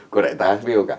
của đại tá phiêu cả